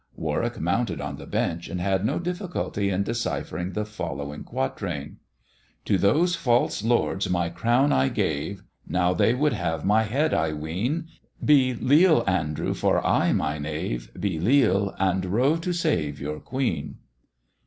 Warwick mounted on the bench, and had no difficulty in deciphering the following quatrain ; To those false lords my crown I gave, Now they would have my head I ween ; Be Leal Andrew for aye, my knave, Be leal and row to save your queen.